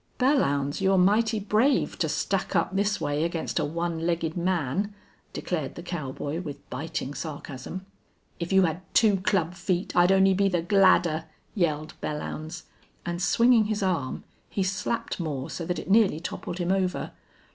"Belllounds, you're mighty brave to stack up this way against a one legged man," declared the cowboy, with biting sarcasm. "If you had two club feet I'd only be the gladder," yelled Belllounds, and swinging his arm, he slapped Moore so that it nearly toppled him over.